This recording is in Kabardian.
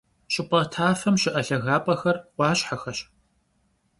Ş'ıp'e tafem şı'e lhagap'exer — 'Uaşhexeş.